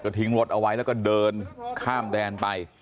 ทิ้งรถเอาไว้แล้วก็เดินข้ามแดนไป